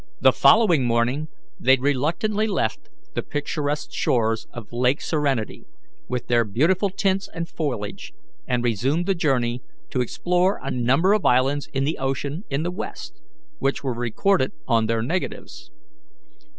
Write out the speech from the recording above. The following morning they reluctantly left the picturesque shores of Lake Serenity, with their beautiful tints and foliage, and resumed the journey, to explore a number of islands in the ocean in the west, which were recorded on their negatives.